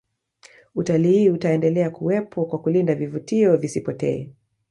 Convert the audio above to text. utalii utaendelea kuwepo kwa kulinda vivutio visipotee